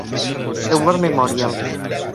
The War Memorial.